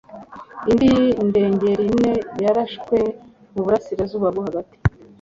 indi ndegeliner yarashwe mu burasirazuba bwo hagati